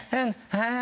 はい。